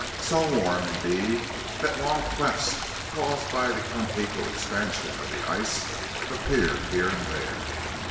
So warm, indeed, that long clefts, caused by the unequal expansion of the ice, appeared here and there.